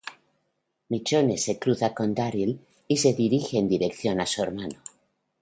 Michonne se cruza con Daryl y se dirigen en dirección a su hermano.